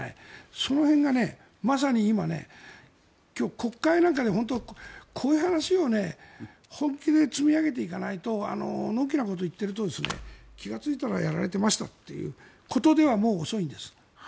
その辺がまさに今、今日国会なんかで本当はこういう話を本気で積み上げていかないとのんきなことを言っていると気がついたらやられてましたということではもう遅いんです。